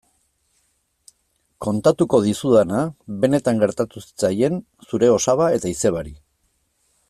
Kontatuko dizudana benetan gertatu zitzaien zure osaba eta izebari.